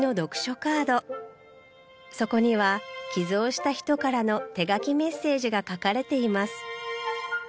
カードそこには寄贈した人からの手書きメッセージが書かれています